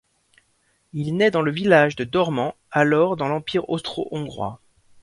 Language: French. Il naît dans le village de Dormánd, alors dans l'empire austro-hongrois.